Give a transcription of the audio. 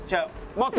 もっと。